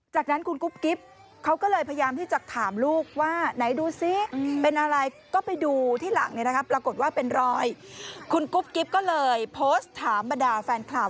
จากนั้นคุณกุ๊บกิ๊บเขาก็เลยพยายามที่จะถามลูกว่า